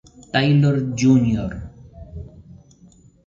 Taylor Jr.